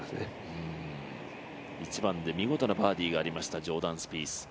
１番で見事なバーディーがありました、ジョーダン・スピース。